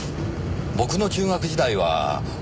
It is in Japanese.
僕の中学時代は。